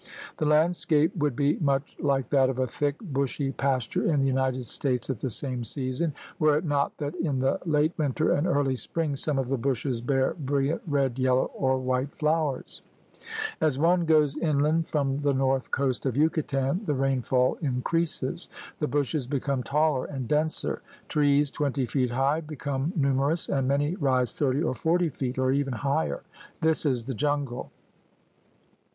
The landscape would be much like that of a thick, bushy pasture in the United States at the same season, were it not that in the late winter and early spring some of the bushes bear brilliant red, yellow, or white flowers. As one goes inland from the north coast of Yucatan the rainfall increases. The bushes become taller and denser, trees twenty feet high become numerous, and many rise thirty or forty feet or even higher. This is the jungle.